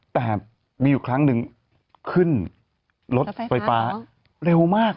แต่มีอยู่ครั้งหนึ่งขึ้นรถไฟฟ้าเร็วมาก